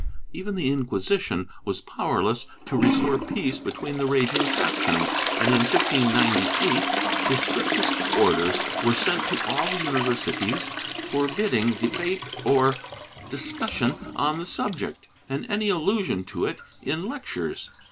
Even the Inquisition was powerless to restore peace between the raging factions and, in 1598, the strictest orders were sent to all the universities, forbid ding debate or discussion on the subject and any allusion to it in lectures.